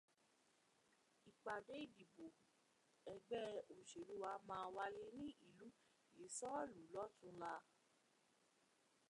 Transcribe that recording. Ìpàdé ìdìbò ẹgbẹ́ òṣèlú wa máa wáyé ní ìlú Ìsánlú lọ́túnla